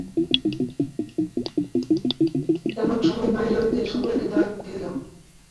এমন সময়ে বাহির হইতে সবলে কে দ্বার ঠেলিল।